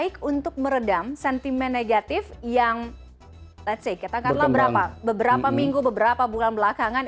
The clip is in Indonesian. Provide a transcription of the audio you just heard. ini cukup baik untuk meredam sentimen negatif yang let's say kita katakanlah beberapa minggu beberapa bulan belakangan